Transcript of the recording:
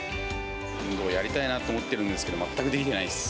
運動をやりたいなと思ってるんですけど、全くできないっす。